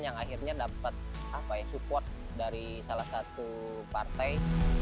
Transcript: yang akhirnya dapat support dari salah satu partai